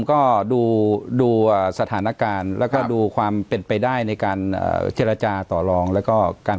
ก็ดูสถานการณ์แล้วก็ดูความเป็นไปได้ในการเจรจาต่อลองแล้วก็การ